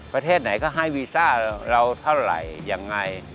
ประเทศไหนก็ให้วีซ่าเราเท่าไหร่ยังไง